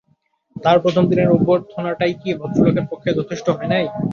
তাহার প্রথম দিনের অভ্যর্থনাটাই কি ভদ্রলোকের পক্ষে যথেষ্ট হয় নাই।